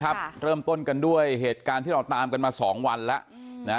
เริ่มต้นกันด้วยเหตุการณ์ที่เราตามกันมาสองวันแล้วนะ